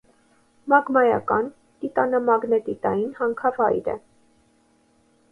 Մագմայական, տիտանամագնետիտային հանքավայր է։